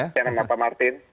selamat malam pak martin